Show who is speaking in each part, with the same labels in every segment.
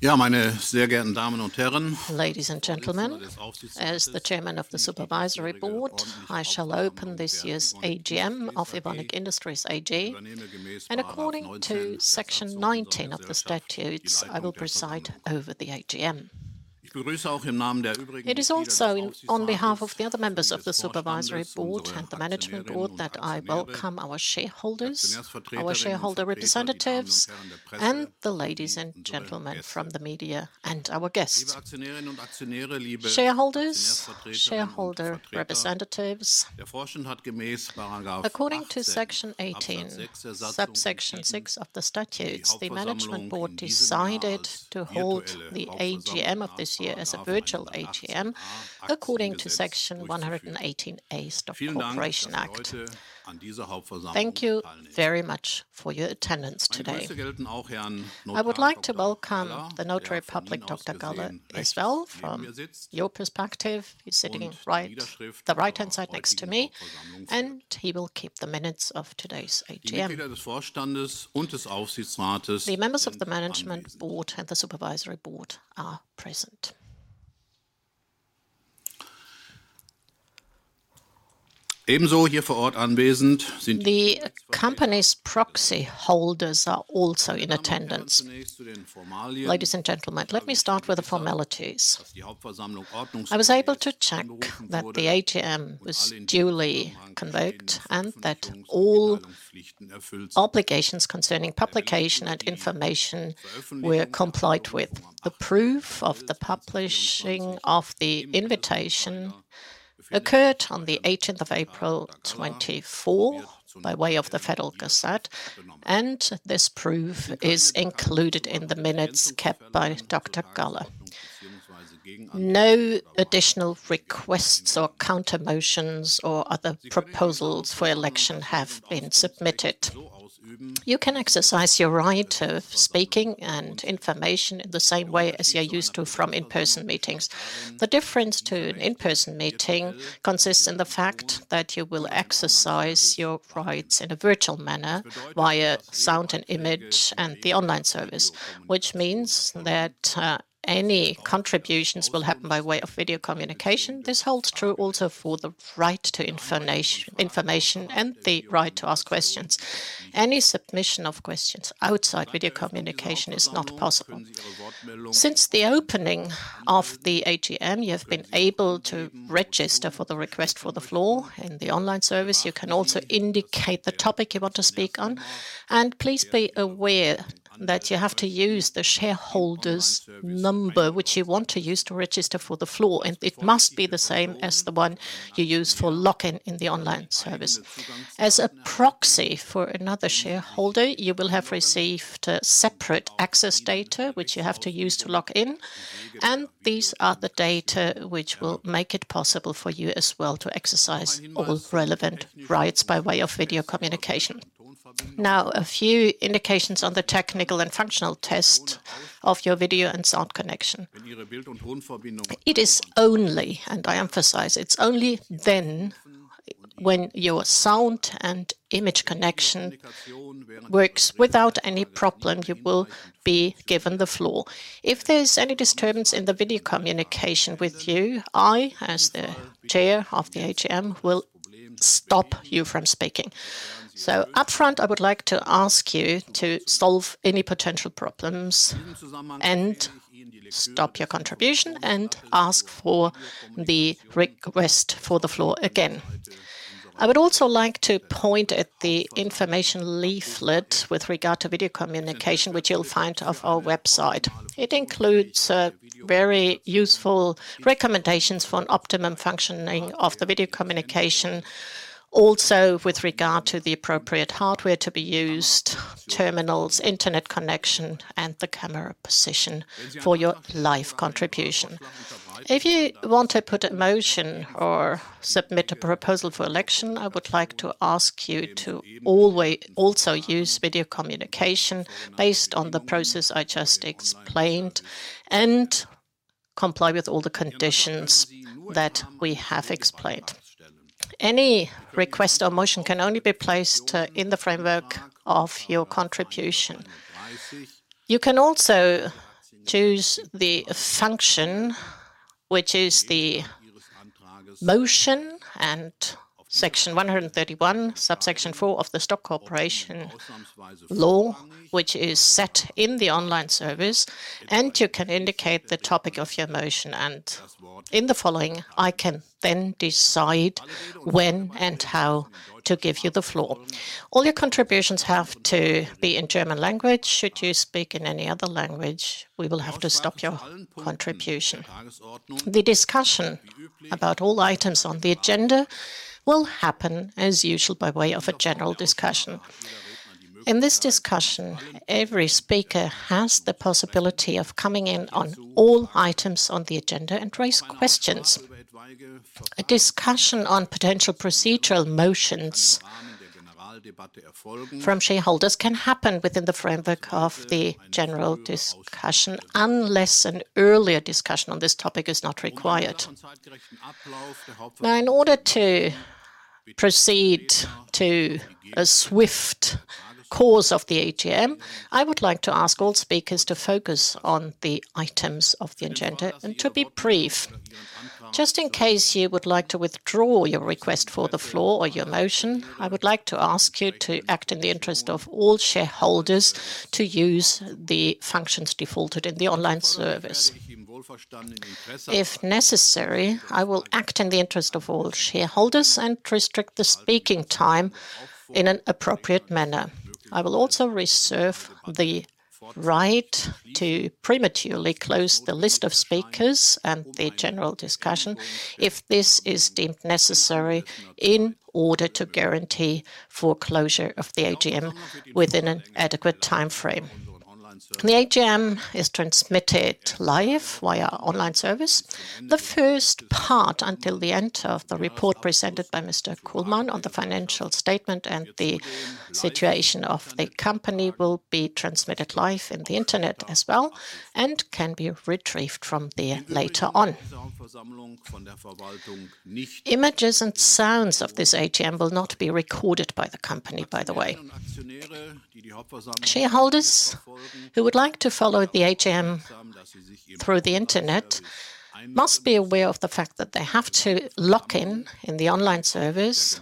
Speaker 1: Ja, meine sehr geehrten Damen und Herren!
Speaker 2: Ladies and gentlemen, as the chairman of the supervisory board, I shall open this year's AGM of Evonik Industries AG, and according to Section 19 of the statutes, I will preside over the AGM. It is also on behalf of the other members of the supervisory board and the management board that I welcome our shareholders, our shareholder representatives, and the ladies and gentlemen from the media and our guests. Shareholders, shareholder representatives, according to Section 18, subsection 6 of the statutes, the management board decided to hold the AGM of this year as a virtual AGM, according to Section 118a of the Corporation Act. Thank you very much for your attendance today. I would like to welcome the Notary Public, Dr. Galle, as well. From your perspective, he's sitting on the right-hand side next to me, and he will keep the minutes of today's AGM. The members of the Management Board and the Supervisory Board are present. The company's proxy holders are also in attendance. Ladies and gentlemen, let me start with the formalities. I was able to check that the AGM was duly convoked and that all obligations concerning publication and information were complied with. The proof of the publishing of the invitation occurred on the eighteenth of April 2024, by way of the Federal Gazette, and this proof is included in the minutes kept by Dr. Galle. No additional requests or counter motions or other proposals for election have been submitted. You can exercise your right of speaking and information in the same way as you're used to from in-person meetings. The difference to an in-person meeting consists in the fact that you will exercise your rights in a virtual manner via sound and image and the online service, which means that, any contributions will happen by way of video communication. This holds true also for the right to information and the right to ask questions. Any submission of questions outside video communication is not possible. Since the opening of the AGM, you have been able to register for the request for the floor in the online service. You can also indicate the topic you want to speak on, and please be aware that you have to use the shareholder's number, which you want to use to register for the floor, and it must be the same as the one you use for login in the online service. As a proxy for another shareholder, you will have received separate access data, which you have to use to log in, and these are the data which will make it possible for you as well to exercise all relevant rights by way of video communication. Now, a few indications on the technical and functional test of your video and sound connection. It is only, and I emphasize, it's only then when your sound and image connection works without any problem, you will be given the floor. If there is any disturbance in the video communication with you, I, as the Chair of the AGM, will stop you from speaking. So upfront, I would like to ask you to solve any potential problems and stop your contribution and ask for the request for the floor again. I would also like to point at the information leaflet with regard to video communication, which you'll find on our website. It includes very useful recommendations for an optimum functioning of the video communication, also with regard to the appropriate hardware to be used, terminals, internet connection, and the camera position for your live contribution. If you want to put a motion or submit a proposal for election, I would like to ask you to also use video communication based on the process I just explained and comply with all the conditions that we have explained. Any request or motion can only be placed in the framework of your contribution. You can also choose the function, which is the motion and Section 131, subsection 4 of the Stock Corporation Law, which is set in the online service, and you can indicate the topic of your motion, and in the following, I can then decide when and how to give you the floor. All your contributions have to be in German language. Should you speak in any other language, we will have to stop your contribution. The discussion about all items on the agenda will happen, as usual, by way of a general discussion. In this discussion, every speaker has the possibility of coming in on all items on the agenda and raise questions. A discussion on potential procedural motions from shareholders can happen within the framework of the general discussion, unless an earlier discussion on this topic is not required. Now, in order to proceed to a swift course of the AGM, I would like to ask all speakers to focus on the items of the agenda and to be brief. Just in case you would like to withdraw your request for the floor or your motion, I would like to ask you to act in the interest of all shareholders to use the functions provided in the online service. If necessary, I will act in the interest of all shareholders and restrict the speaking time in an appropriate manner. I will also reserve the right to prematurely close the list of speakers and the general discussion if this is deemed necessary in order to guarantee the closure of the AGM within an adequate timeframe. The AGM is transmitted live via online service. The first part, until the end of the report presented by Mr. Kullmann on the financial statement and the situation of the company, will be transmitted live in the internet as well, and can be retrieved from there later on. Images and sounds of this AGM will not be recorded by the company, by the way. Shareholders who would like to follow the AGM through the internet must be aware of the fact that they have to log in in the online service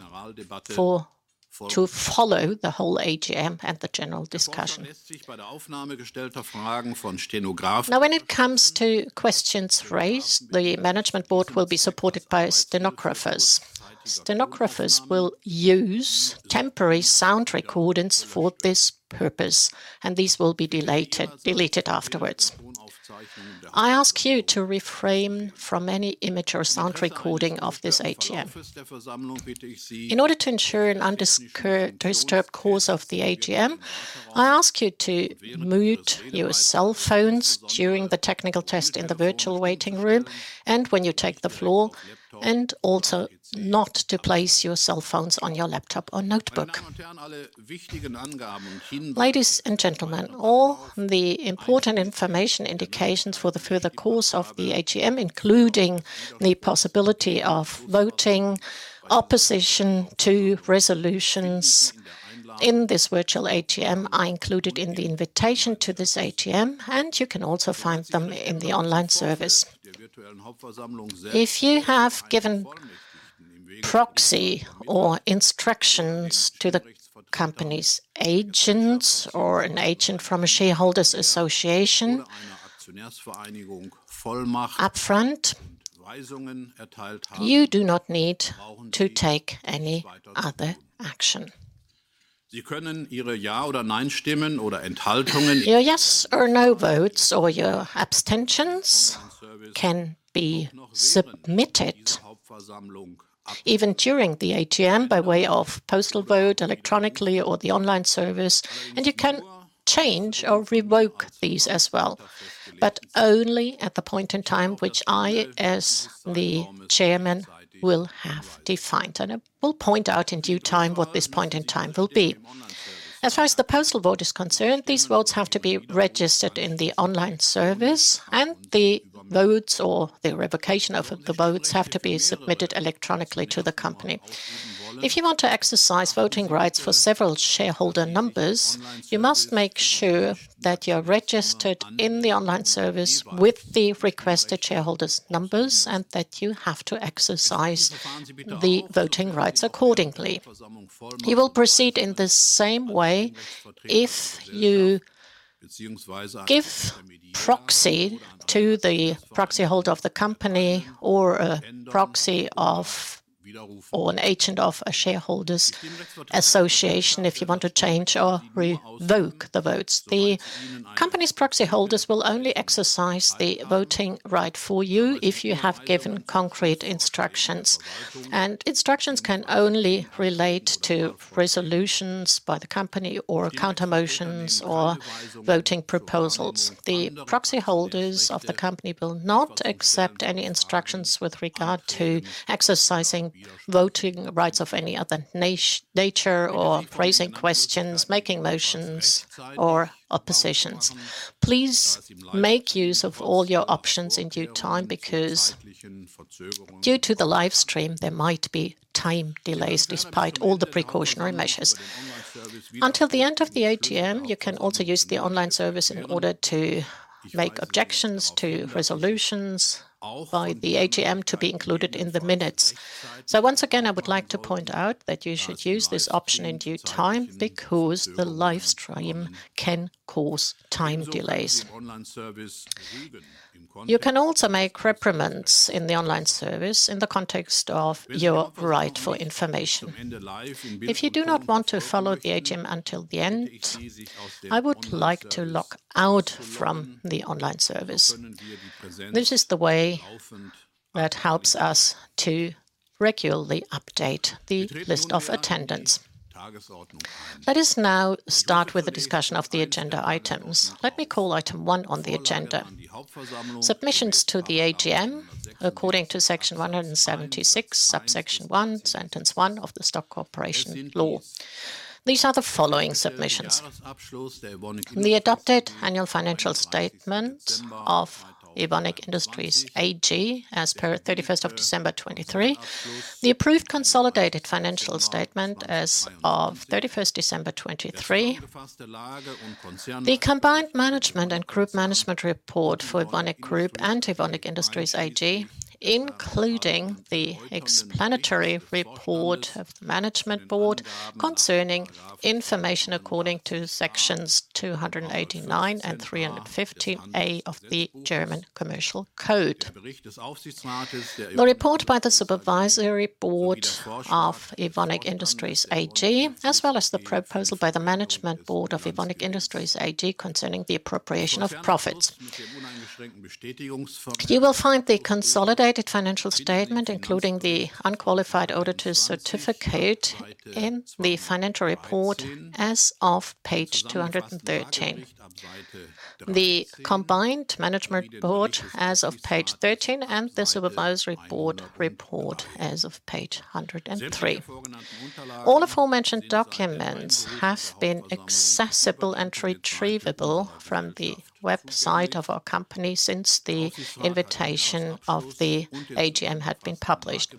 Speaker 2: to follow the whole AGM and the general discussion. Now, when it comes to questions raised, the management board will be supported by stenographers. Stenographers will use temporary sound recordings for this purpose, and these will be deleted afterwards. I ask you to refrain from any image or sound recording of this AGM. In order to ensure an undisturbed course of the AGM, I ask you to mute your cell phones during the technical test in the virtual waiting room and when you take the floor, and also not to place your cell phones on your laptop or notebook. Ladies and gentlemen, all the important information indications for the further course of the AGM, including the possibility of voting, opposition to resolutions in this virtual AGM, are included in the invitation to this AGM, and you can also find them in the online service. If you have given proxy or instructions to the company's agents or an agent from a shareholders association upfront, you do not need to take any other action. Your yes or no votes or your abstentions can be submitted even during the AGM by way of postal vote, electronically or the online service, and you can change or revoke these as well, but only at the point in time which I, as the chairman, will have defined. I will point out in due time what this point in time will be. As far as the postal vote is concerned, these votes have to be registered in the online service, and the votes or the revocation of the votes have to be submitted electronically to the company. If you want to exercise voting rights for several shareholder numbers, you must make sure that you're registered in the online service with the requested shareholder numbers, and that you have to exercise the voting rights accordingly. You will proceed in the same way if you give proxy to the proxy holder of the company or a proxy of, or an agent of a shareholders association if you want to change or revoke the votes. The company's proxy holders will only exercise the voting right for you if you have given concrete instructions, and instructions can only relate to resolutions by the company or counter motions or voting proposals. The proxy holders of the company will not accept any instructions with regard to exercising voting rights of any other nature, or phrasing questions, making motions or oppositions. Please make use of all your options in due time, because due to the live stream, there might be time delays despite all the precautionary measures. Until the end of the AGM, you can also use the online service in order to make objections to resolutions by the AGM to be included in the minutes. So once again, I would like to point out that you should use this option in due time, because the live stream can cause time delays. You can also make reprimands in the online service in the context of your right for information. If you do not want to follow the AGM until the end, I would like to log out from the online service. This is the way that helps us to regularly update the list of attendance. Let us now start with the discussion of the agenda items. Let me call item one on the agenda: submissions to the AGM according to Section 176, subsection 1, sentence 1 of the Stock Corporation Law. These are the following submissions: The adopted annual financial statement of Evonik Industries AG, as of 31 December 2023. The approved consolidated financial statement as of 31 December 2023. The combined management and group management report for Evonik Group and Evonik Industries AG, including the explanatory report of the management board concerning information according to Sections 289 and 315a of the German Commercial Code. The report by the supervisory board of Evonik Industries AG, as well as the proposal by the management board of Evonik Industries AG concerning the appropriation of profits. You will find the consolidated financial statement, including the unqualified auditor's certificate, in the financial report as of page 213. The combined management report as of page 13, and the supervisory board report as of page 103. All the aforementioned documents have been accessible and retrievable from the website of our company since the invitation of the AGM had been published.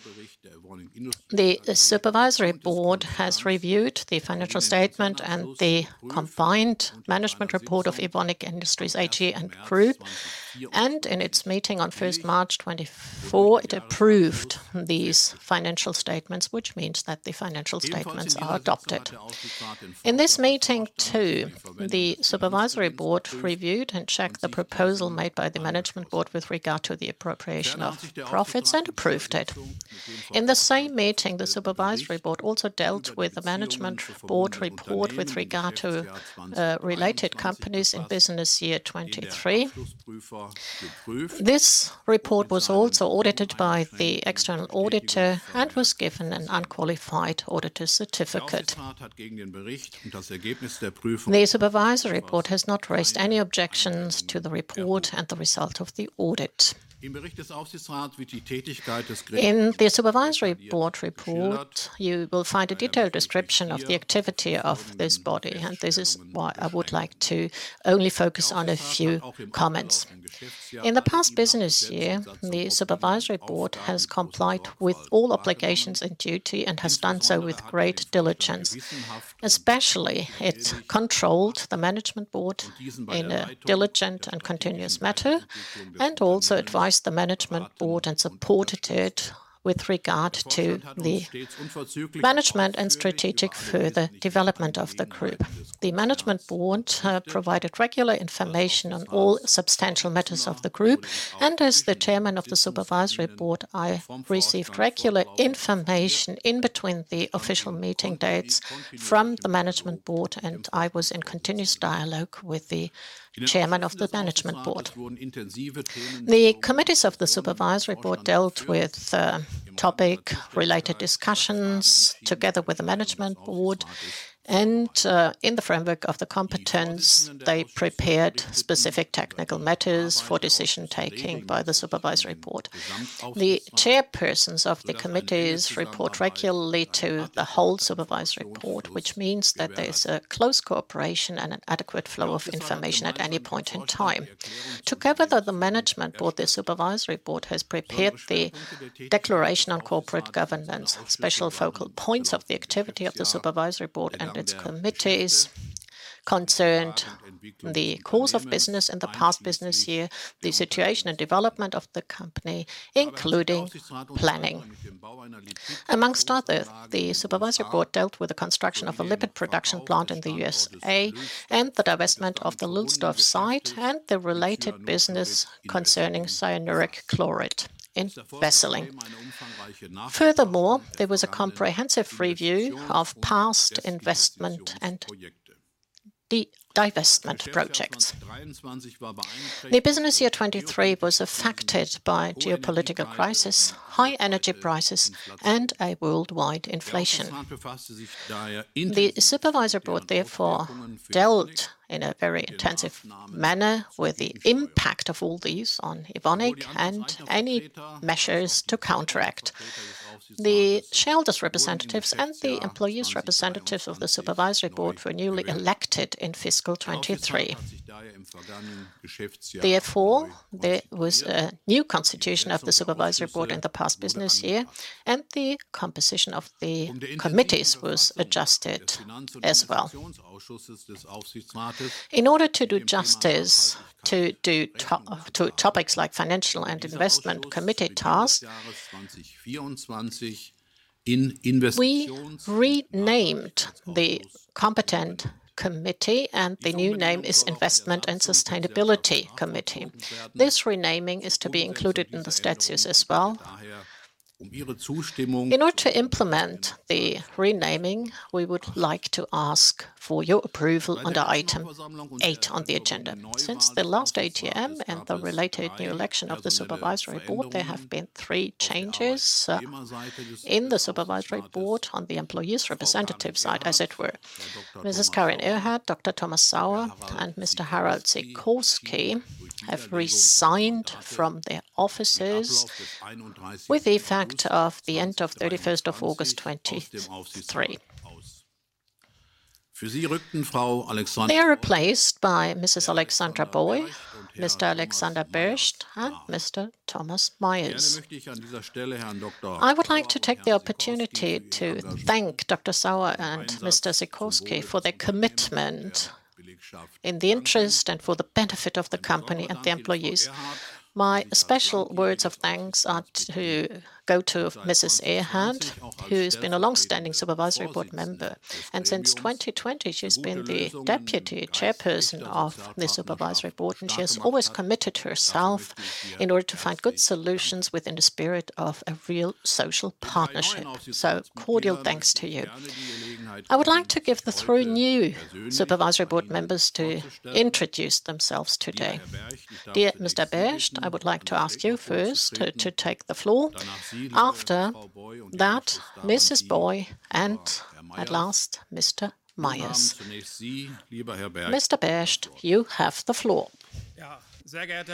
Speaker 2: The supervisory board has reviewed the financial statement and the combined management report of Evonik Industries AG and Group, and in its meeting on 1 March 2024, it approved these financial statements, which means that the financial statements are adopted. In this meeting, too, the supervisory board reviewed and checked the proposal made by the management board with regard to the appropriation of profits, and approved it. In the same meeting, the supervisory board also dealt with the management board report with regard to related companies in business year 2023. This report was also audited by the external auditor and was given an unqualified auditor's certificate. The supervisory board has not raised any objections to the report and the result of the audit. In the supervisory board report, you will find a detailed description of the activity of this body, and this is why I would like to only focus on a few comments. In the past business year, the supervisory board has complied with all obligations and duty, and has done so with great diligence. Especially, it controlled the management board in a diligent and continuous manner, and also advised the management board and supported it with regard to the management and strategic further development of the group. The management board provided regular information on all substantial matters of the group, and as the chairman of the supervisory board, I received regular information in between the official meeting dates from the management board, and I was in continuous dialogue with the chairman of the management board. The committees of the supervisory board dealt with topic-related discussions together with the management board and in the framework of the competence, they prepared specific technical matters for decision-taking by the supervisory board. The chairpersons of the committees report regularly to the whole supervisory board, which means that there's a close cooperation and an adequate flow of information at any point in time. Together with the management board, the supervisory board has prepared the declaration on corporate governance. Special focal points of the activity of the supervisory board and its committees concerned the course of business in the past business year, the situation and development of the company, including planning. Among others, the supervisory board dealt with the construction of a lipid production plant in the USA, and the divestment of the Lülsdorf site, and the related business concerning cyanuric chloride in Wesel. Furthermore, there was a comprehensive review of past investment and divestment projects. The business year 2023 was affected by geopolitical crisis, high energy prices, and a worldwide inflation. The supervisory board, therefore, dealt in a very intensive manner with the impact of all these on Evonik and any measures to counteract. The shareholders' representatives and the employees' representatives of the supervisory board were newly elected in fiscal 2023. Therefore, there was a new constitution of the supervisory board in the past business year, and the composition of the committees was adjusted as well. In order to do justice to topics like financial and investment committee tasks, we renamed the competent committee, and the new name is Investment and Sustainability Committee. This renaming is to be included in the statutes as well. In order to implement the renaming, we would like to ask for your approval under item eight on the agenda. Since the last AGM and the related new election of the supervisory board, there have been three changes in the supervisory board on the employees' representative side, as it were. Mrs. Karin Erhard, Dr. Thomas Sauer, and Mr. Harald Sikorski have resigned from their offices with effect of the end of thirty-first of August 2023. They are replaced by Mrs. Alexandra Boy, Mr. Alexander Bercht, and Mr. Thomas Meiers. I would like to take the opportunity to thank Dr. Sauer and Mr. Sikorski for their commitment in the interest and for the benefit of the company and the employees. My special words of thanks are to go to Mrs. Erhard, who's been a long-standing supervisory board member, and since 2020 she's been the Deputy Chairperson of the supervisory board, and she has always committed herself in order to find good solutions within the spirit of a real social partnership. Cordial thanks to you. I would like to give the three new supervisory board members to introduce themselves today. Dear Mr. Bercht, I would like to ask you first to take the floor. After that, Mrs. Boy, and at last, Mr. Meiers. Mr. Bercht, you have the floor.
Speaker 3: Right.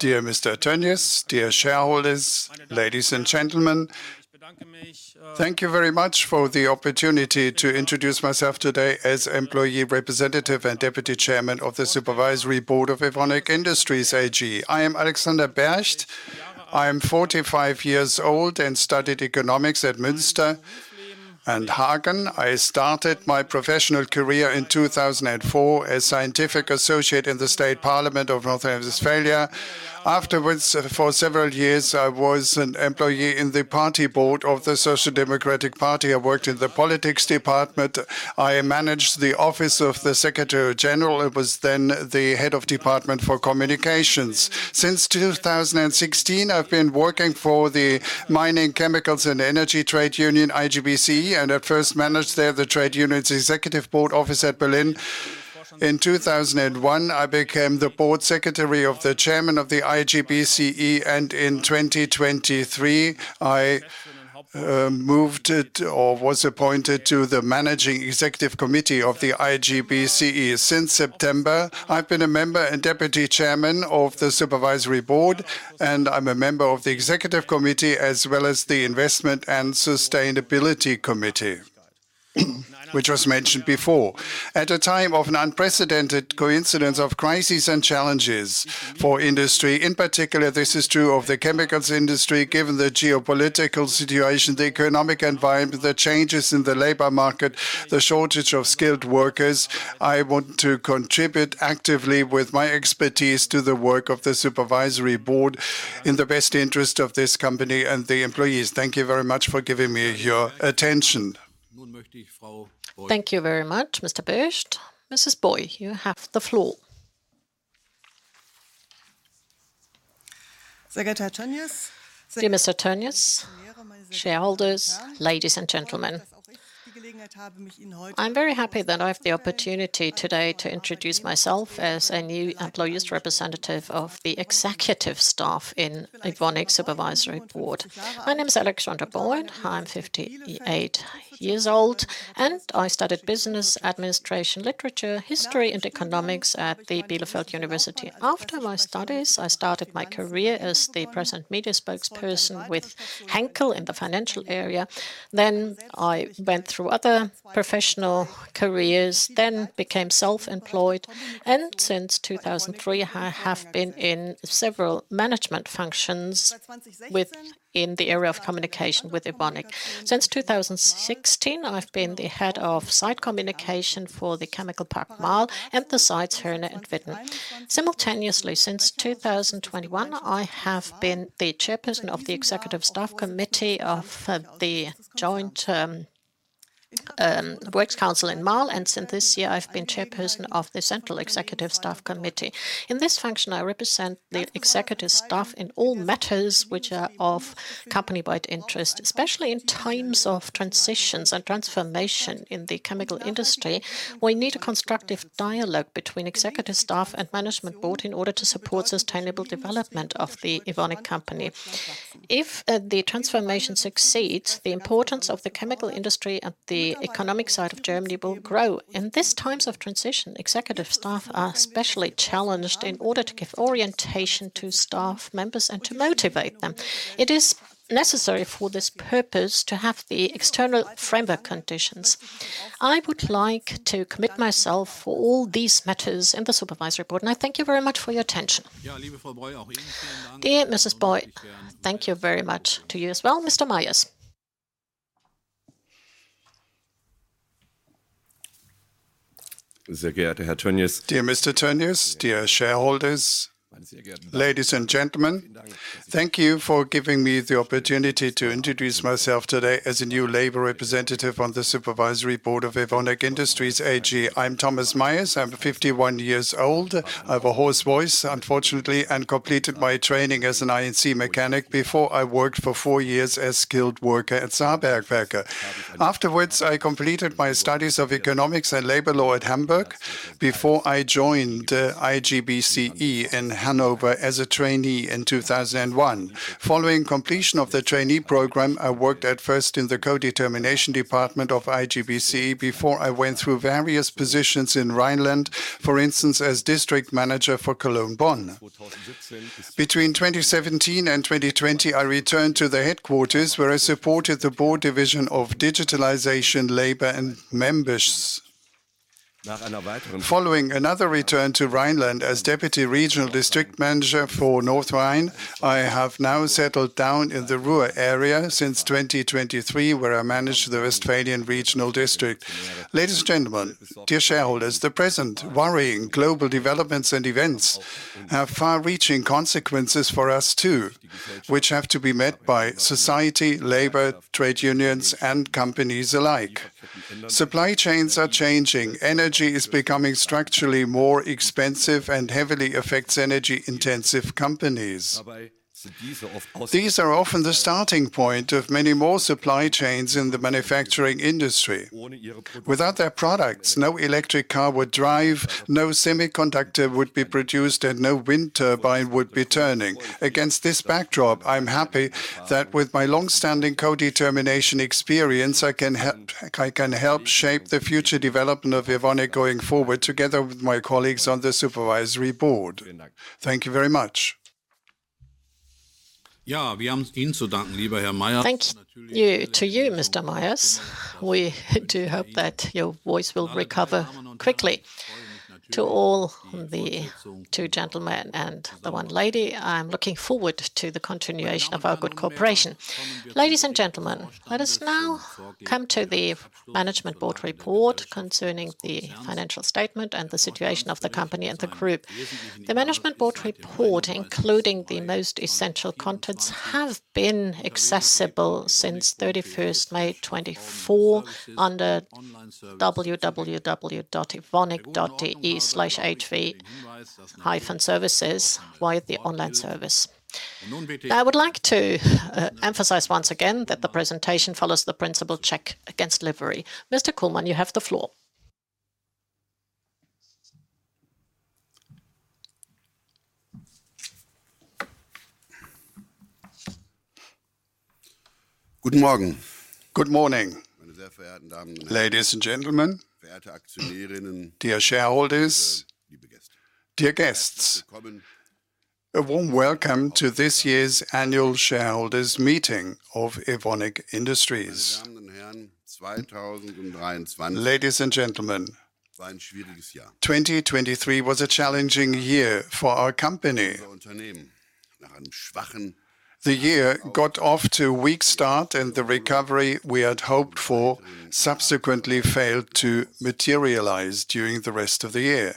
Speaker 3: Dear Mr. Tönjes, dear shareholders, ladies and gentlemen, thank you very much for the opportunity to introduce myself today as employee representative and Deputy Chairman of the Supervisory Board of Evonik Industries AG. I am Alexander Bercht. I am 45 years old and studied economics at Münster and Hagen. I started my professional career in 2004 as scientific associate in the State Parliament of North Rhine-Westphalia. Afterwards, for several years, I was an employee in the party board of the Social Democratic Party. I worked in the politics department. I managed the office of the Secretary General, it was then the Head of Department for Communications. Since 2016, I've been working for the Mining, Chemicals, and Energy Trade Union, IG BCE, and at first managed there the trade union's executive board office at Berlin. In 2001, I became the board secretary of the chairman of the IG BCE, and in 2023, I was appointed to the Managing Executive Committee of the IG BCE. Since September, I've been a member and Deputy Chairman of the Supervisory Board, and I'm a member of the Executive Committee, as well as the Investment and Sustainability Committee, which was mentioned before. At a time of an unprecedented coincidence of crises and challenges for industry, in particular, this is true of the chemicals industry, given the geopolitical situation, the economic environment, the changes in the labor market, the shortage of skilled workers, I want to contribute actively with my expertise to the work of the Supervisory Board in the best interest of this company and the employees. Thank you very much for giving me your attention. Thank you very much, Mr. Bercht. Mrs. Boy, you have the floor.
Speaker 4: Dear Mr. Tönjes, shareholders, ladies and gentlemen, I'm very happy that I have the opportunity today to introduce myself as a new employee representative of the executive staff in Evonik Supervisory Board. My name is Alexandra Boy. I'm 58 years old, and I studied Business Administration, Literature, History, and Economics at the Bielefeld University. After my studies, I started my career as the press and media spokesperson with Henkel in the financial area. Then I went through other professional careers, then became self-employed, and since 2003, I have been in several management functions within the area of communication with Evonik. Since 2016, I've been the Head of Site Communication for the Chemical Park Marl and the sites Herne and Witten. Simultaneously, since 2021, I have been the chairperson of the Executive Staff Committee of the joint works council in Marl, and since this year I've been chairperson of the Central Executive Staff Committee. In this function, I represent the executive staff in all matters which are of company-wide interest. Especially in times of transitions and transformation in the chemical industry, we need a constructive dialogue between executive staff and management board in order to support sustainable development of the Evonik company. If the transformation succeeds, the importance of the chemical industry and the economic side of Germany will grow. In this times of transition, executive staff are especially challenged in order to give orientation to staff members and to motivate them. It is necessary for this purpose to have the external framework conditions. I would like to commit myself for all these matters in the Supervisory Board, and I thank you very much for your attention. Dear Mrs. Boy, thank you very much to you as well. Mr. Meiers?
Speaker 5: Dear Mr. Tönjes, dear shareholders, ladies and gentlemen, thank you for giving me the opportunity to introduce myself today as a new labor representative on the supervisory board of Evonik Industries AG. I'm Thomas Meiers. I'm 51 years old. I have a hoarse voice, unfortunately, and completed my training as an I&C mechanic before I worked for 4 years as skilled worker at Saarbergwerke. Afterwards, I completed my studies of economics and labor law at Hamburg, before I joined IG BCE in Hanover as a trainee in 2001. Following completion of the trainee program, I worked at first in the Codetermination Department of IG BCE, before I went through various positions in Rhineland, for instance, as district manager for Cologne, Bonn. Between 2017 and 2020, I returned to the headquarters, where I supported the board division of digitalization, labor, and members.... Following another return to Rhineland as deputy regional district manager for North Rhine, I have now settled down in the Ruhr area since 2023, where I manage the Westphalian regional district. Ladies and gentlemen, dear shareholders, the present worrying global developments and events have far-reaching consequences for us, too, which have to be met by society, labor, trade unions, and companies alike. Supply chains are changing. Energy is becoming structurally more expensive and heavily affects energy-intensive companies. These are often the starting point of many more supply chains in the manufacturing industry. Without their products, no electric car would drive, no semiconductor would be produced, and no wind turbine would be turning. Against this backdrop, I'm happy that with my long-standing co-determination experience, I can help shape the future development of Evonik going forward, together with my colleagues on the supervisory board. Thank you very much.
Speaker 4: Thank you to you, Mr. Meiers. We do hope that your voice will recover quickly. To all the two gentlemen and the one lady, I'm looking forward to the continuation of our good cooperation. Ladies and gentlemen, let us now come to the management board report concerning the financial statement and the situation of the company and the group. The management board report, including the most essential contents, have been accessible since thirty-first May 2024, under www.evonik.de/HV-services, via the online service. I would like to emphasize once again that the presentation follows the principle check against delivery. Mr. Kullmann, you have the floor.
Speaker 6: Good morning. Good morning, ladies and gentlemen, dear shareholders, dear guests. A warm welcome to this year's annual shareholders' meeting of Evonik Industries. Ladies and gentlemen, 2023 was a challenging year for our company. The year got off to a weak start, and the recovery we had hoped for subsequently failed to materialize during the rest of the year.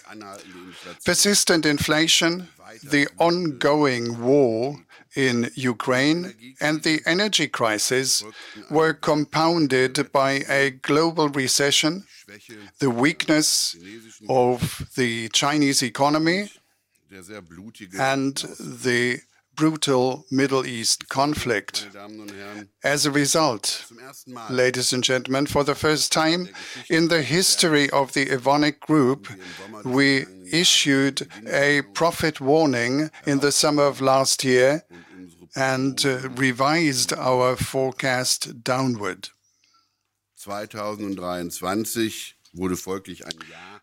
Speaker 6: Persistent inflation, the ongoing war in Ukraine, and the energy crisis were compounded by a global recession, the weakness of the Chinese economy, and the brutal Middle East conflict. As a result, ladies and gentlemen, for the first time in the history of the Evonik group, we issued a profit warning in the summer of last year and revised our forecast downward.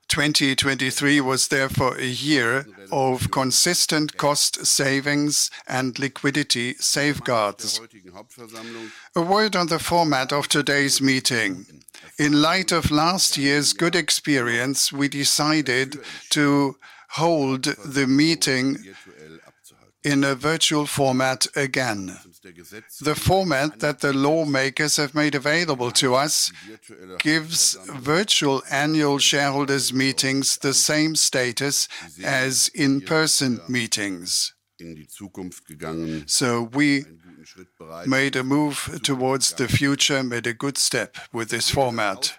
Speaker 6: 2023 was therefore a year of consistent cost savings and liquidity safeguards. A word on the format of today's meeting. In light of last year's good experience, we decided to hold the meeting in a virtual format again. The format that the lawmakers have made available to us gives virtual annual shareholders' meetings the same status as in-person meetings. So we made a move towards the future, made a good step with this format.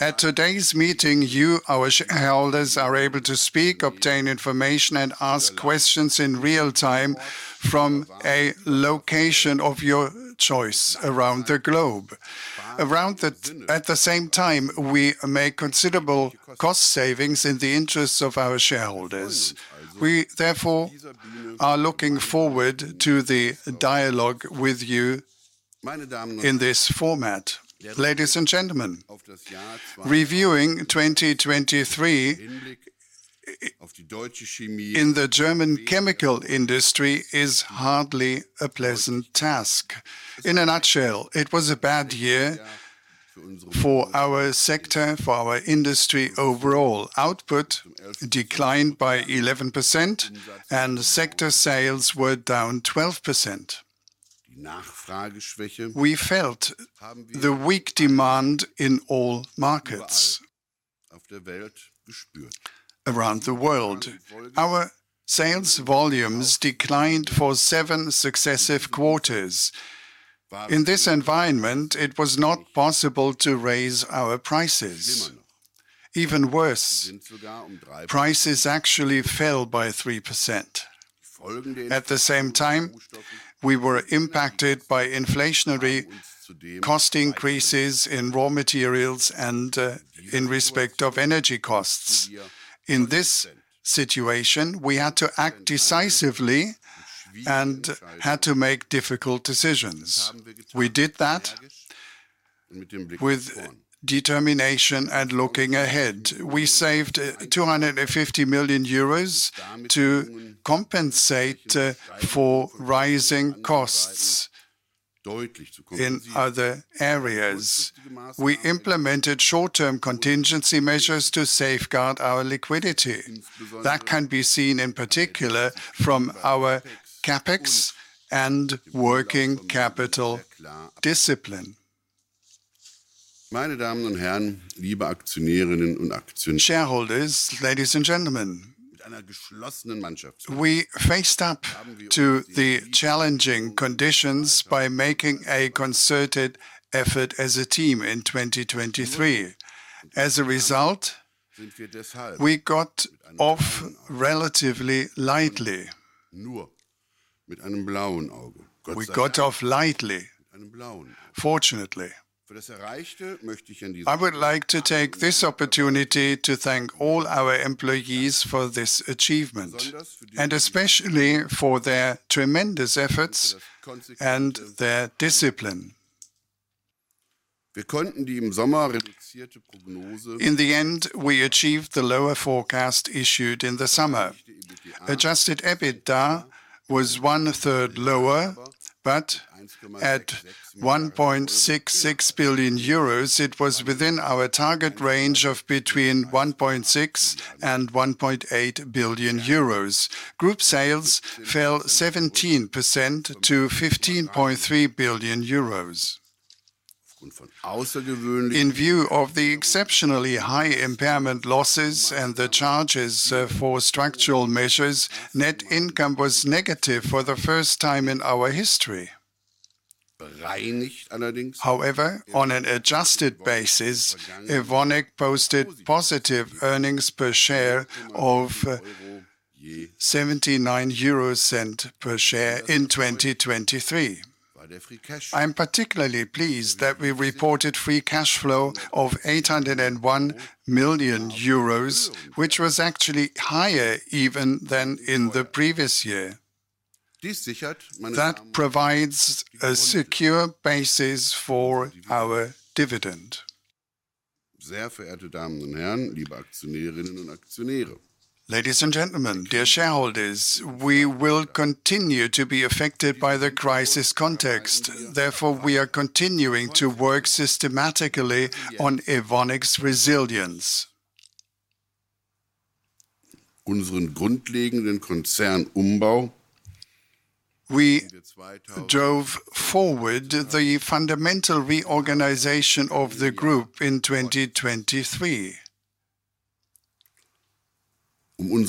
Speaker 6: At today's meeting, you, our shareholders, are able to speak, obtain information, and ask questions in real time from a location of your choice around the globe. At the same time, we make considerable cost savings in the interests of our shareholders. We therefore are looking forward to the dialogue with you in this format. Ladies and gentlemen, reviewing 2023 in the German chemical industry is hardly a pleasant task. In a nutshell, it was a bad year for our sector, for our industry overall. Output declined by 11%, and sector sales were down 12%. We felt the weak demand in all markets around the world. Our sales volumes declined for seven successive quarters. In this environment, it was not possible to raise our prices. Even worse, prices actually fell by 3%. At the same time, we were impacted by inflationary cost increases in raw materials and in respect of energy costs. In this situation, we had to act decisively and had to make difficult decisions. We did that with determination and looking ahead. We saved 250 million euros to compensate for rising costs. In other areas, we implemented short-term contingency measures to safeguard our liquidity. That can be seen in particular from our CapEx and working capital discipline. Shareholders, ladies and gentlemen, we faced up to the challenging conditions by making a concerted effort as a team in 2023. As a result, we got off relatively lightly. We got off lightly, fortunately. I would like to take this opportunity to thank all our employees for this achievement, and especially for their tremendous efforts and their discipline. In the end, we achieved the lower forecast issued in the summer. Adjusted EBITDA was one third lower, but at 1.66 billion euros, it was within our target range of between 1.6 billion and 1.8 billion euros. Group sales fell 17% to 15.3 billion euros. In view of the exceptionally high impairment losses and the charges for structural measures, net income was negative for the first time in our history. However, on an adjusted basis, Evonik posted positive earnings per share of 0.79 per share in 2023. I am particularly pleased that we reported free cash flow of 801 million euros, which was actually higher even than in the previous year. That provides a secure basis for our dividend. Ladies and gentlemen, dear shareholders, we will continue to be affected by the crisis context, therefore, we are continuing to work systematically on Evonik's resilience. We drove forward the fundamental reorganization of the group in 2023. In fact,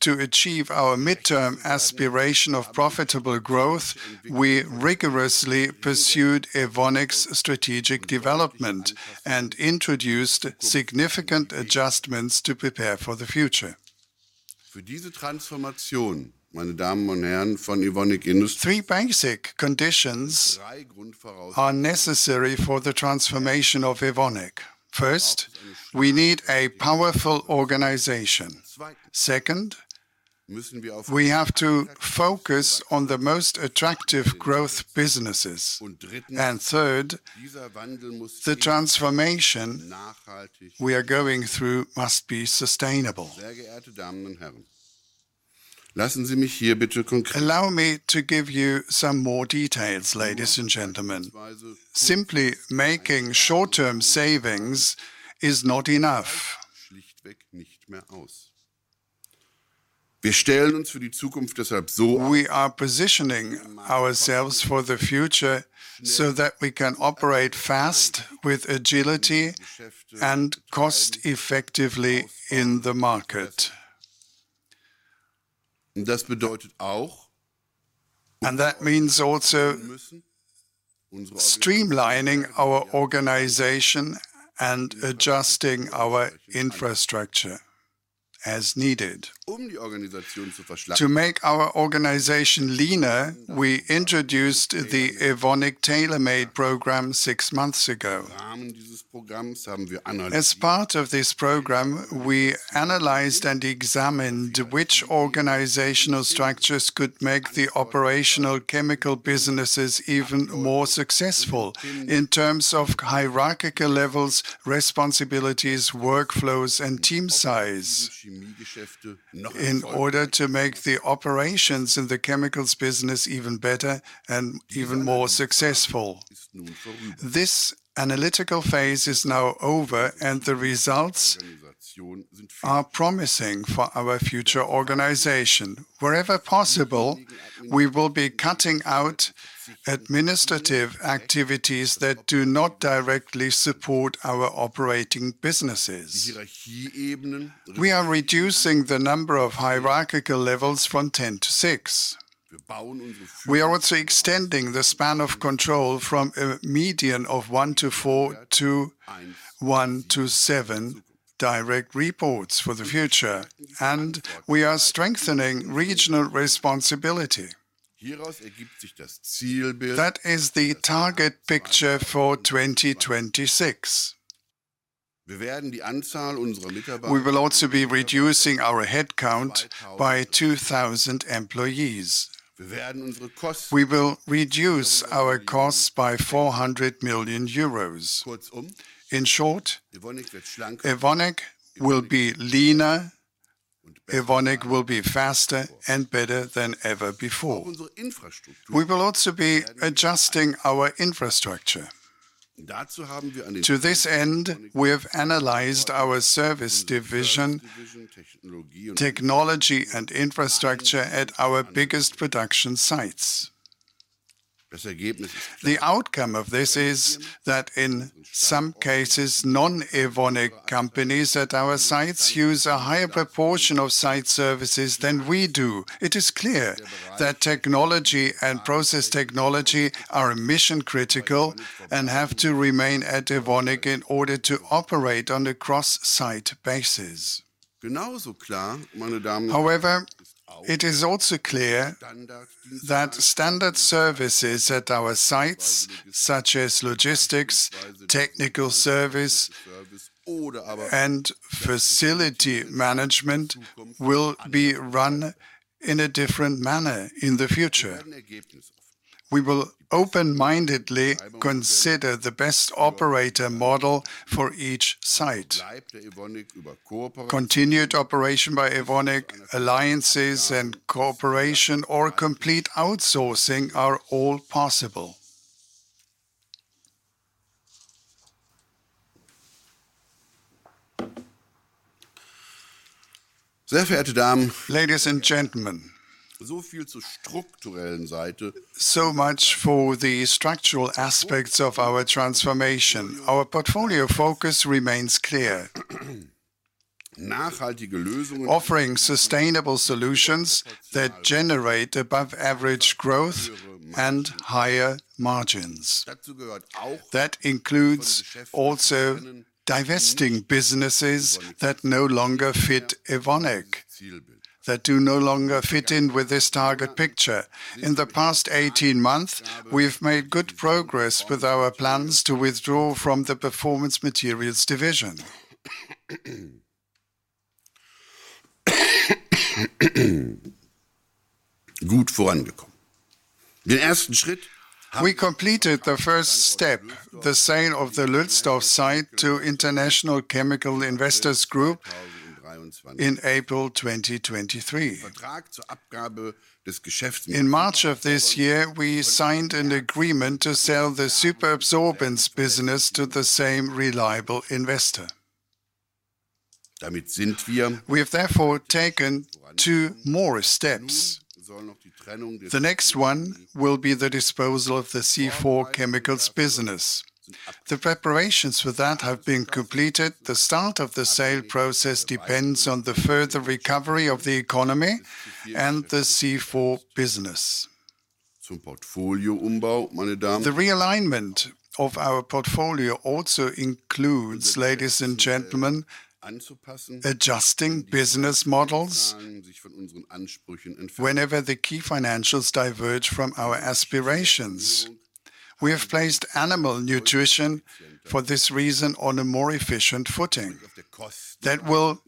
Speaker 6: to achieve our midterm aspiration of profitable growth, we rigorously pursued Evonik's strategic development and introduced significant adjustments to prepare for the future. Three basic conditions are necessary for the transformation of Evonik. First, we need a powerful organization. Second, we have to focus on the most attractive growth businesses. And third, the transformation we are going through must be sustainable. Allow me to give you some more details, ladies and gentlemen. Simply making short-term savings is not enough. We are positioning ourselves for the future, so that we can operate fast with agility and cost effectively in the market. That means also streamlining our organization and adjusting our infrastructure as needed. To make our organization leaner, we introduced the Evonik Tailor Made program six months ago. As part of this program, we analyzed and examined which organizational structures could make the operational chemical businesses even more successful in terms of hierarchical levels, responsibilities, workflows, and team size, in order to make the operations in the chemicals business even better and even more successful. This analytical phase is now over, and the results are promising for our future organization. Wherever possible, we will be cutting out administrative activities that do not directly support our operating businesses. We are reducing the number of hierarchical levels from 10 to six. We are also extending the span of control from a median of one to four to one to seven direct reports for the future, and we are strengthening regional responsibility. That is the target picture for 2026. We will also be reducing our headcount by 2,000 employees. We will reduce our costs by 400 million euros. In short, Evonik will be leaner. Evonik will be faster and better than ever before. We will also be adjusting our infrastructure. To this end, we have analyzed our service division, technology, and infrastructure at our biggest production sites. The outcome of this is that in some cases, non-Evonik companies at our sites use a higher proportion of site services than we do. It is clear that technology and process technology are mission critical and have to remain at Evonik in order to operate on a cross-site basis. However, it is also clear that standard services at our sites, such as logistics, technical service, and facility management, will be run in a different manner in the future. We will open-mindedly consider the best operator model for each site. Continued operation by Evonik, alliances and cooperation, or complete outsourcing are all possible. Ladies and gentlemen, so much for the structural aspects of our transformation. Our portfolio focus remains clear: offering sustainable solutions that generate above average growth and higher margins. That includes also divesting businesses that no longer fit Evonik, that do no longer fit in with this target picture. In the past 18 months, we've made good progress with our plans to withdraw from the Performance Materials division. We completed the first step, the sale of the Lülsdorf site to International Chemical Investors Group in April 2023. In March of this year, we signed an agreement to sell the superabsorbents business to the same reliable investor. We have therefore taken two more steps. The next one will be the disposal of the C4 Chemicals business. The preparations for that have been completed. The start of the sale process depends on the further recovery of the economy and the C4 business. The realignment of our portfolio also includes, ladies and gentlemen, adjusting business models whenever the key financials diverge from our aspirations. We have placed animal nutrition, for this reason, on a more efficient footing that will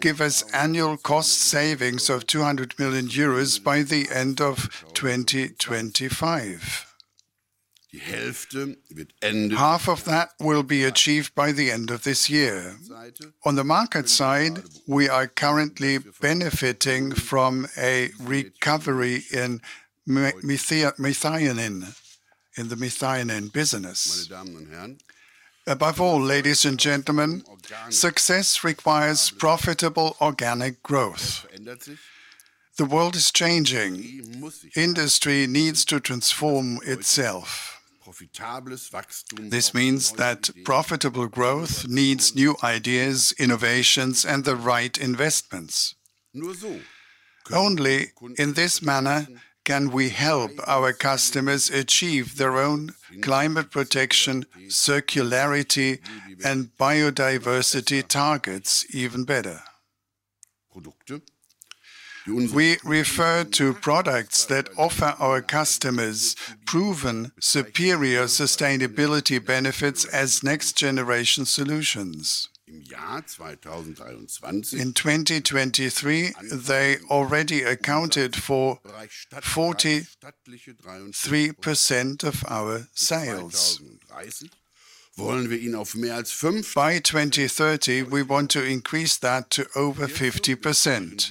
Speaker 6: give us annual cost savings of 200 million euros by the end of 2025. Half of that will be achieved by the end of this year. On the market side, we are currently benefiting from a recovery in methionine, in the methionine business. Above all, ladies and gentlemen, success requires profitable organic growth. The world is changing. Industry needs to transform itself. This means that profitable growth needs new ideas, innovations, and the right investments. Only in this manner can we help our customers achieve their own climate protection, circularity, and biodiversity targets even better. We refer to products that offer our customers proven, superior sustainability benefits as next-generation solutions. In 2023, they already accounted for 43% of our sales. By 2030, we want to increase that to over 50%.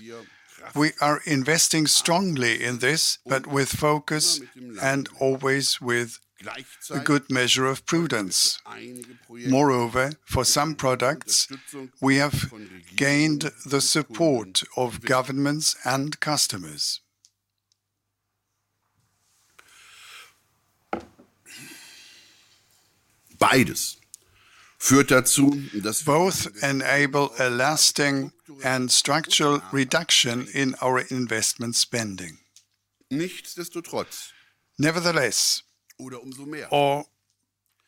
Speaker 6: We are investing strongly in this, but with focus and always with a good measure of prudence. Moreover, for some products, we have gained the support of governments and customers. Both enable a lasting and structural reduction in our investment spending. Nevertheless, or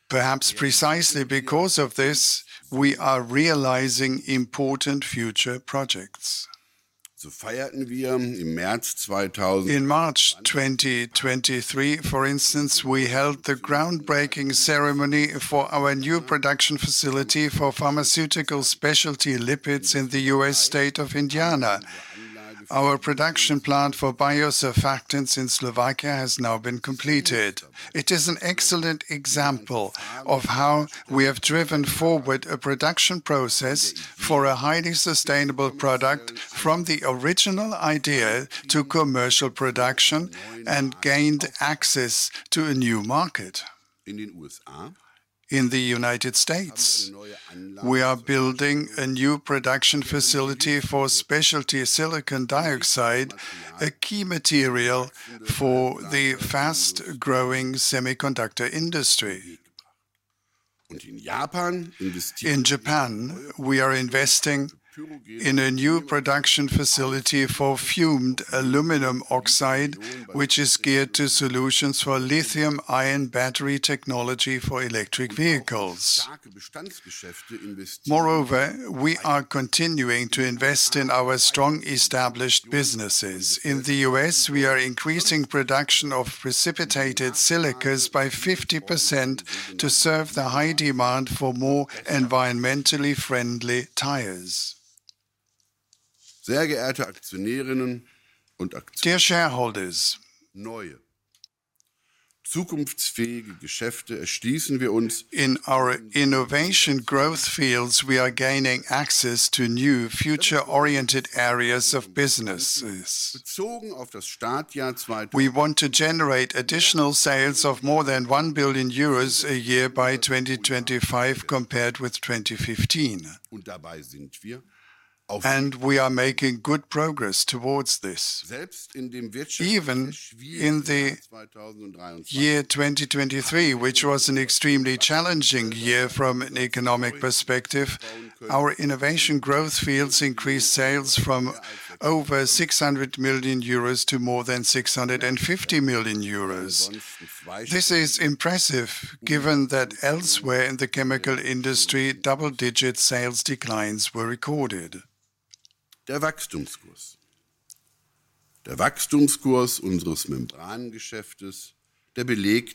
Speaker 6: perhaps precisely because of this, we are realizing important future projects. In March 2023, for instance, we held the groundbreaking ceremony for our new production facility for pharmaceutical specialty lipids in the US state of Indiana. Our production plant for biosurfactants in Slovakia has now been completed. It is an excellent example of how we have driven forward a production process for a highly sustainable product from the original idea to commercial production and gained access to a new market in the United States. We are building a new production facility for specialty silicon dioxide, a key material for the fast-growing semiconductor industry. In Japan, we are investing in a new production facility for fumed aluminum oxide, which is geared to solutions for lithium ion battery technology for electric vehicles. Moreover, we are continuing to invest in our strong, established businesses. In the U.S., we are increasing production of precipitated silicas by 50% to serve the high demand for more environmentally friendly tires. Dear shareholders, in our innovation growth fields, we are gaining access to new future-oriented areas of businesses. We want to generate additional sales of more than 1 billion euros a year by 2025, compared with 2015, and we are making good progress towards this. Even in the year 2023, which was an extremely challenging year from an economic perspective, our innovation growth fields increased sales from over 600 million euros to more than 650 million euros. This is impressive, given that elsewhere in the chemical industry, double-digit sales declines were recorded.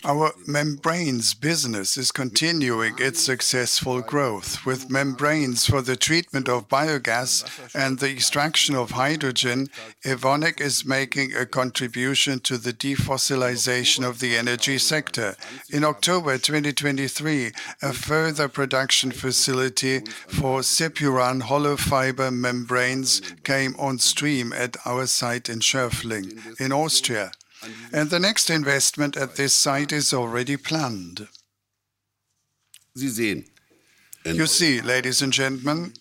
Speaker 6: Our membranes business is continuing its successful growth. With membranes for the treatment of biogas and the extraction of hydrogen, Evonik is making a contribution to the defossilization of the energy sector. In October 2023, a further production facility for SEPURAN hollow fiber membranes came on stream at our site in Schörfling, in Austria, and the next investment at this site is already planned. You see, ladies and gentlemen,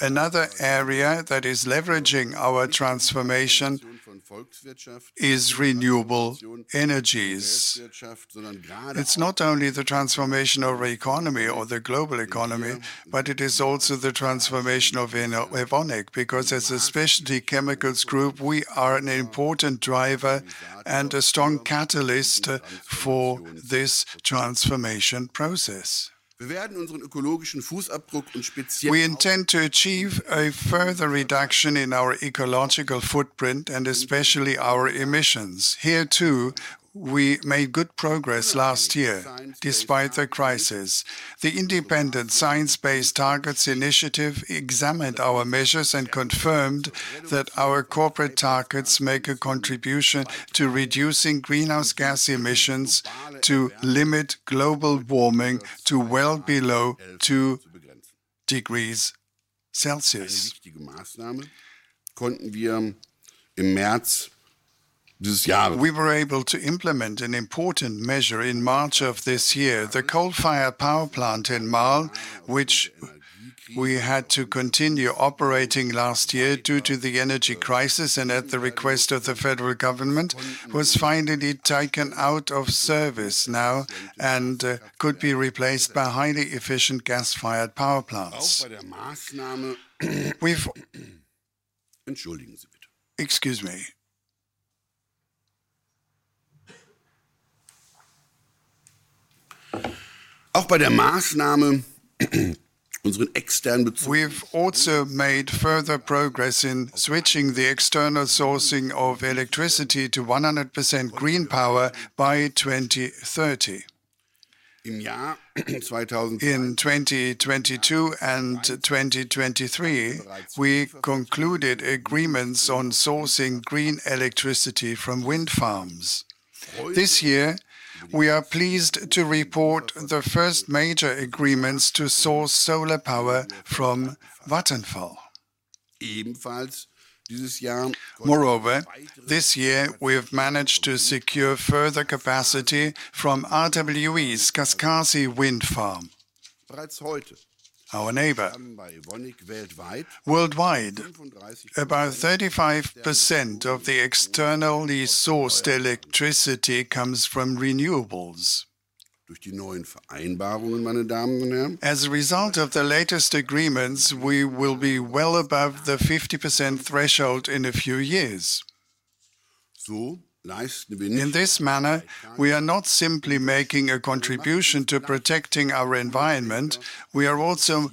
Speaker 6: another area that is leveraging our transformation is renewable energies. It's not only the transformation of our economy or the global economy, but it is also the transformation of Evo, Evonik, because as a specialty chemicals group, we are an important driver and a strong catalyst for this transformation process. We intend to achieve a further reduction in our ecological footprint, and especially our emissions. Here, too, we made good progress last year, despite the crisis. The independent Science Based Targets initiative examined our measures and confirmed that our corporate targets make a contribution to reducing greenhouse gas emissions, to limit global warming to well below two degrees Celsius. We were able to implement an important measure in March of this year. The coal-fired power plant in Marl, which we had to continue operating last year due to the energy crisis and at the request of the federal government, was finally taken out of service now and could be replaced by highly efficient gas-fired power plants. We've... Excuse me. We've also made further progress in switching the external sourcing of electricity to 100% green power by 2030. In 2022 and 2023, we concluded agreements on sourcing green electricity from wind farms. This year, we are pleased to report the first major agreements to source solar power from Vattenfall. Moreover, this year, we have managed to secure further capacity from RWE's Kaskasi Wind Farm, our neighbor. Worldwide, about 35% of the externally sourced electricity comes from renewables. As a result of the latest agreements, we will be well above the 50% threshold in a few years. In this manner, we are not simply making a contribution to protecting our environment, we are also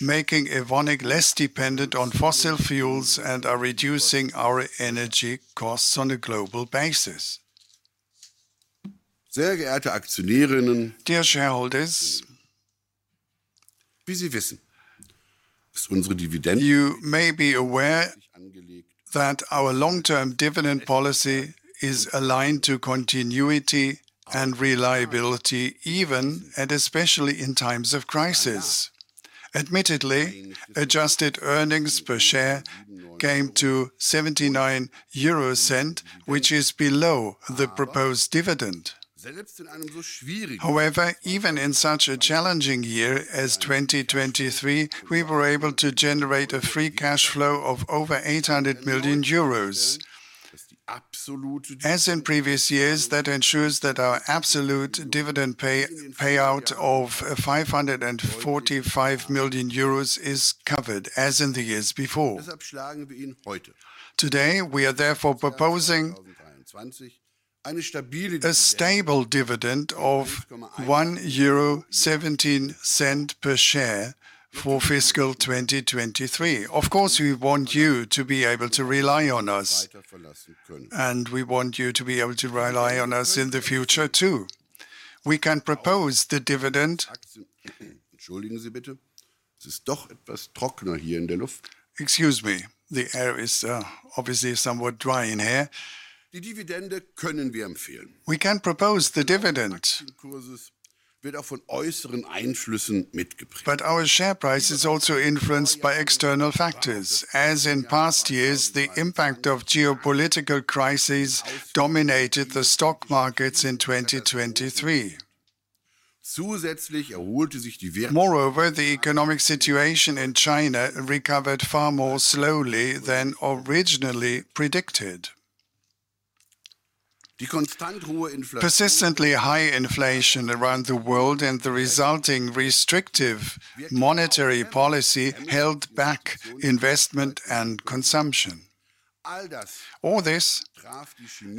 Speaker 6: making Evonik less dependent on fossil fuels and are reducing our energy costs on a global basis. Dear shareholders, you may be aware that our long-term dividend policy is aligned to continuity and reliability, even, and especially in times of crisis. Admittedly, adjusted earnings per share came to 0.79 EUR, which is below the proposed dividend. However, even in such a challenging year as 2023, we were able to generate a free cash flow of over 800 million euros. As in previous years, that ensures that our absolute dividend payout of EUR 545 million is covered, as in the years before. Today, we are therefore proposing a stable dividend of EUR 1.17 per share for fiscal 2023. Of course, we want you to be able to rely on us, and we want you to be able to rely on us in the future, too. We can propose the dividend. Excuse me, the air is obviously somewhat dry in here. We can propose the dividend. But our share price is also influenced by external factors. As in past years, the impact of geopolitical crises dominated the stock markets in 2023. Moreover, the economic situation in China recovered far more slowly than originally predicted. Persistently high inflation around the world and the resulting restrictive monetary policy held back investment and consumption. All this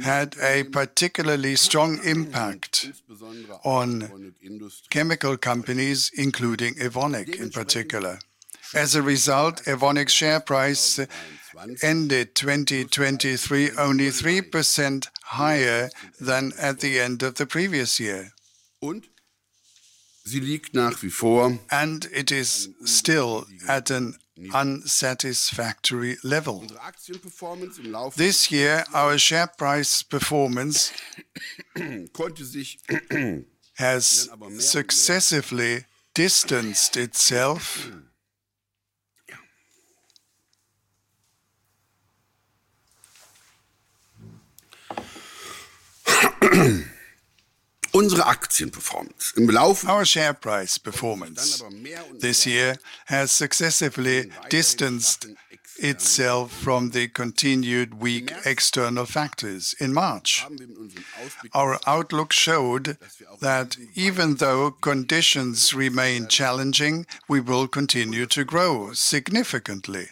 Speaker 6: had a particularly strong impact on chemical companies, including Evonik, in particular. As a result, Evonik's share price ended 2023 only 3% higher than at the end of the previous year. It is still at an unsatisfactory level. This year, our share price performance has successively distanced itself from the continued weak external factors. In March, our outlook showed that even though conditions remain challenging, we will continue to grow significantly.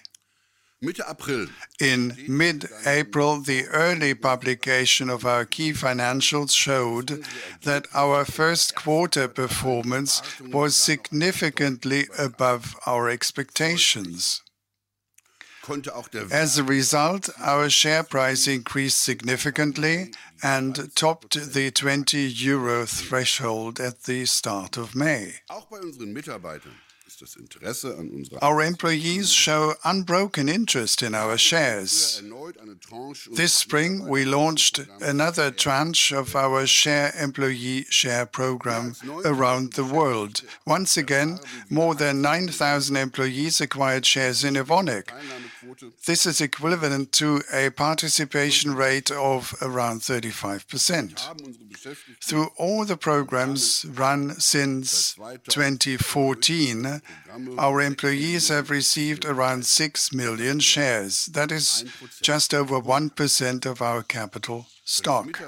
Speaker 6: In mid-April, the early publication of our key financials showed that our first quarter performance was significantly above our expectations. As a result, our share price increased significantly and topped the EUR 20 threshold at the start of May. Our employees show unbroken interest in our shares. This spring, we launched another tranche of our share employee share program around the world. Once again, more than 9,000 employees acquired shares in Evonik. This is equivalent to a participation rate of around 35%. Through all the programs run since 2014, our employees have received around 6 million shares. That is just over 1% of our capital stock.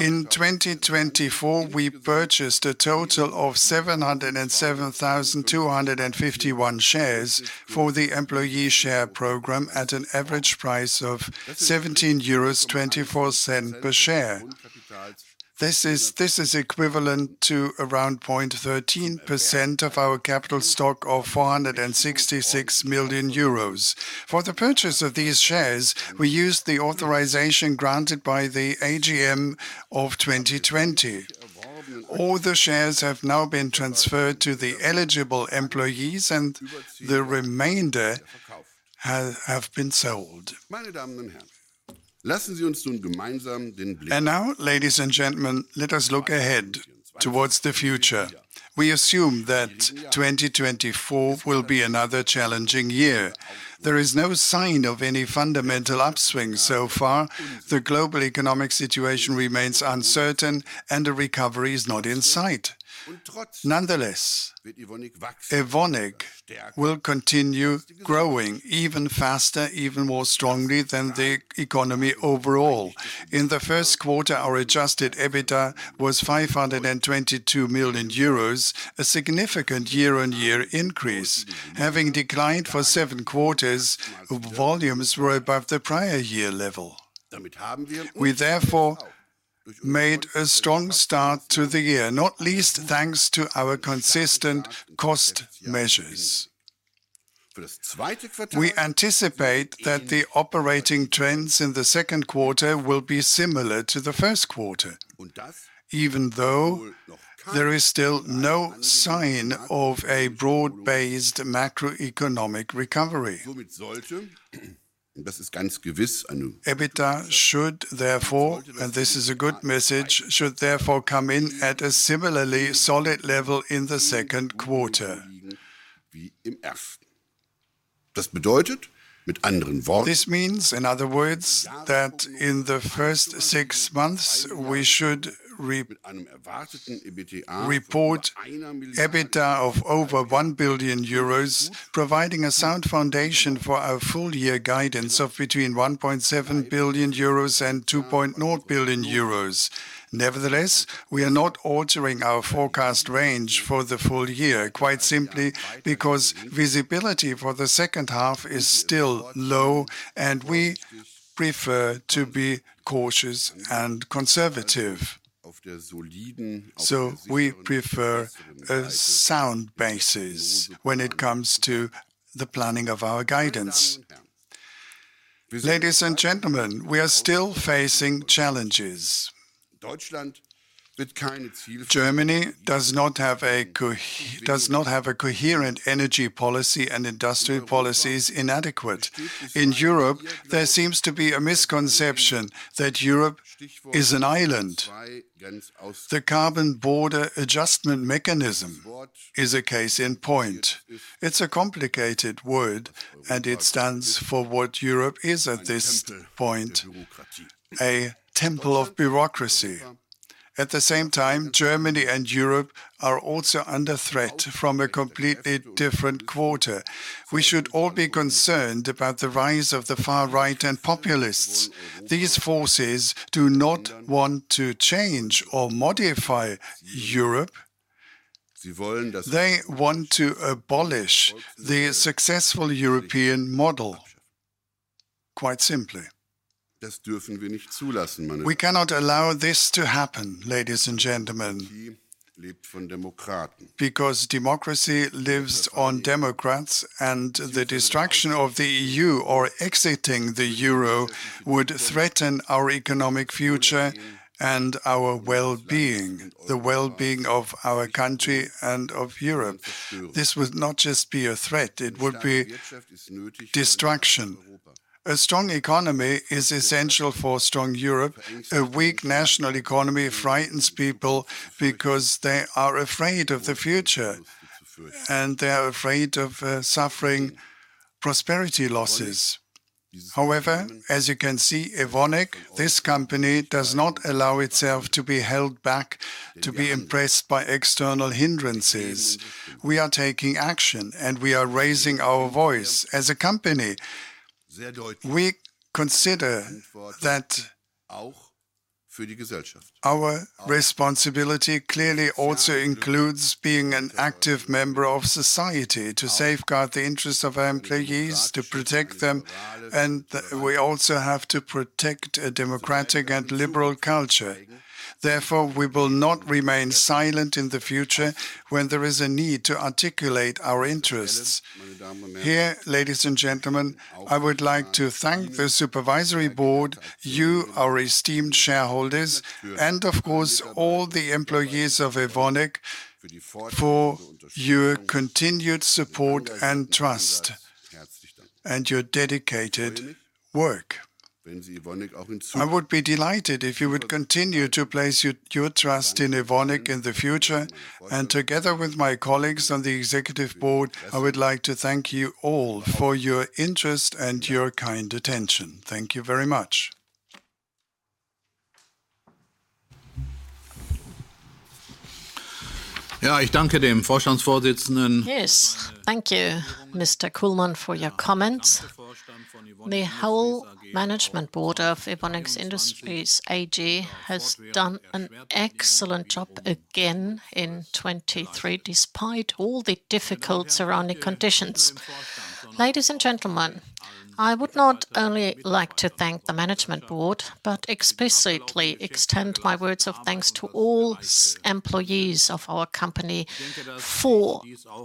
Speaker 6: In 2024, we purchased a total of 707,251 shares for the employee share program at an average price of 17.24 euros per share. This is, this is equivalent to around 0.13% of our capital stock of 466 million euros. For the purchase of these shares, we used the authorization granted by the AGM of 2020. All the shares have now been transferred to the eligible employees, and the remainder have been sold. And now, ladies and gentlemen, let us look ahead towards the future. We assume that 2024 will be another challenging year. There is no sign of any fundamental upswing so far. The global economic situation remains uncertain, and a recovery is not in sight. Nonetheless, Evonik will continue growing even faster, even more strongly than the economy overall. In the first quarter, our adjusted EBITDA was 522 million euros, a significant year-on-year increase. Having declined for seven quarters, volumes were above the prior year level. We therefore made a strong start to the year, not least thanks to our consistent cost measures. We anticipate that the operating trends in the second quarter will be similar to the first quarter, even though there is still no sign of a broad-based macroeconomic recovery. EBITDA should therefore, and this is a good message, should therefore come in at a similarly solid level in the second quarter. This means, in other words, that in the first six months, we should report EBITDA of over 1 billion euros, providing a sound foundation for our full year guidance of between EUR 1.7 billion and EUR 2.0 billion. Nevertheless, we are not altering our forecast range for the full year, quite simply because visibility for the second half is still low, and we prefer to be cautious and conservative. We prefer a sound basis when it comes to the planning of our guidance. Ladies and gentlemen, we are still facing challenges. Germany does not have a coherent energy policy, and industrial policy is inadequate. In Europe, there seems to be a misconception that Europe is an island. The Carbon Border Adjustment Mechanism is a case in point. It's a complicated word, and it stands for what Europe is at this point: a temple of bureaucracy. At the same time, Germany and Europe are also under threat from a completely different quarter. We should all be concerned about the rise of the far right and populists. These forces do not want to change or modify Europe. They want to abolish the successful European model, quite simply. We cannot allow this to happen, ladies and gentlemen, because democracy lives on democrats, and the destruction of the EU or exiting the Euro would threaten our economic future and our well-being, the well-being of our country and of Europe. This would not just be a threat, it would be destruction. A strong economy is essential for a strong Europe. A weak national economy frightens people because they are afraid of the future, and they are afraid of suffering prosperity losses. However, as you can see, Evonik, this company, does not allow itself to be held back, to be impressed by external hindrances. We are taking action, and we are raising our voice as a company. We consider that our responsibility clearly also includes being an active member of society, to safeguard the interests of our employees, to protect them, and we also have to protect a democratic and liberal culture. Therefore, we will not remain silent in the future when there is a need to articulate our interests. Here, ladies and gentlemen, I would like to thank the supervisory board, you, our esteemed shareholders, and of course, all the employees of Evonik for your continued support and trust and your dedicated work. I would be delighted if you would continue to place your trust in Evonik in the future, and together with my colleagues on the executive board, I would like to thank you all for your interest and your kind attention. Thank you very much.
Speaker 2: Yes, thank you, Mr. Kullmann, for your comments. The whole management board of Evonik Industries AG has done an excellent job again in 2023, despite all the difficult surrounding conditions. Ladies and gentlemen, I would not only like to thank the management board, but explicitly extend my words of thanks to all employees of our company for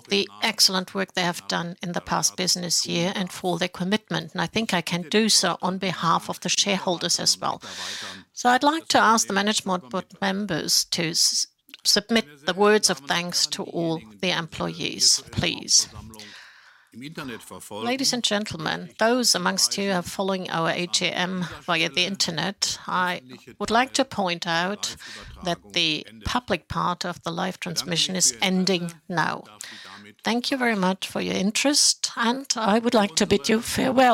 Speaker 2: the excellent work they have done in the past business year and for their commitment, and I think I can do so on behalf of the shareholders as well. So I'd like to ask the management board members to submit the words of thanks to all the employees, please. Ladies and gentlemen, those amongst you who are following our AGM via the internet, I would like to point out that the public part of the live transmission is ending now. Thank you very much for your interest, and I would like to bid you farewell.